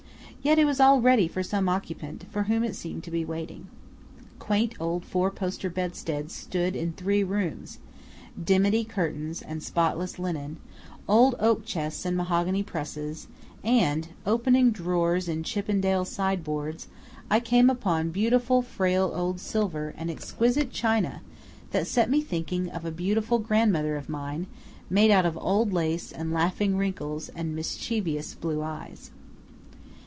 Yet it was all ready for some occupant, for whom it seemed to be waiting. Quaint old four poster bedsteads stood in three rooms dimity curtains and spotless linen old oak chests and mahogany presses; and, opening drawers in Chippendale sideboards, I came upon beautiful frail old silver and exquisite china that set me thinking of a beautiful grandmother of mine, made out of old lace and laughing wrinkles and mischievous old blue eyes.